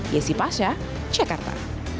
yesi pasha jakarta